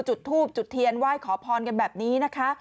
จุดทูบจุดเทียนไหว้ขอพรกันแบบนี้นะคะ